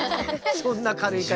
そんな軽い言い方。